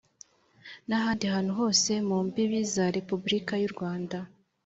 n’ahandi hantu hose mu mbibi za repubulika y’u rwanda